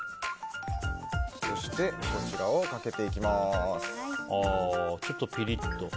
そしてこちらをかけていきます。